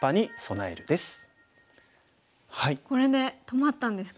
これで止まったんですか。